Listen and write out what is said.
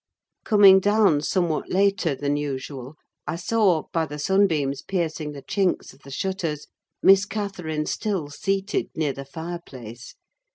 Coming down somewhat later than usual, I saw, by the sunbeams piercing the chinks of the shutters, Miss Catherine still seated near the fireplace.